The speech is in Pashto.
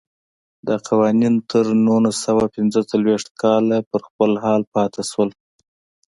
دا قوانین تر نولس سوه پنځه څلوېښت کاله پر خپل حال پاتې شول.